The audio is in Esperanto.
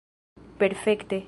perfekte